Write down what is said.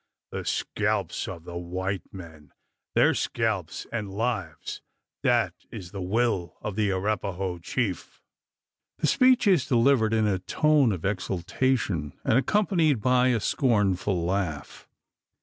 The scalps of the white men their scalps and lives that is the will of the Arapaho chief!" The speech is delivered in a tone of exultation, and accompanied by a scornful laugh.